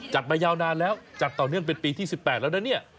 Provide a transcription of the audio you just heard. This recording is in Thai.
มายาวนานแล้วจัดต่อเนื่องเป็นปีที่๑๘แล้วนะเนี่ย